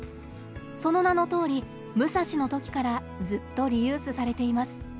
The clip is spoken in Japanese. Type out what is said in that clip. その名のとおり「武蔵ＭＵＳＡＳＨＩ」の時からずっとリユースされています。